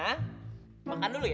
sena makan dulu ya